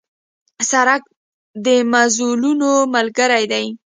سړک د مزلونو ملګری دی.